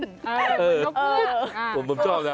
เหมือนนกเหงือก